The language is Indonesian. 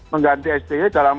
mengganti sti dalam